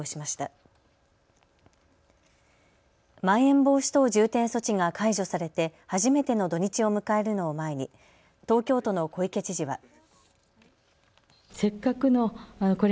まん延防止等重点措置が解除されて初めての土日を迎えるのを前に東京都の小池知事は。